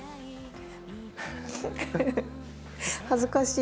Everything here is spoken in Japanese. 恥ずかしい。